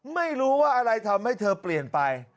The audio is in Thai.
ไม่รู้ว่าอะไรทำให้เธอเปลี่ยนไป